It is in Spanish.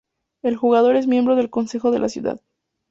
El jugador es miembro del consejo de la ciudad.